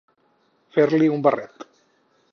Fer-li un barret.